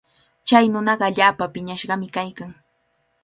Chay nunaqa allaapa piñashqami kaykan.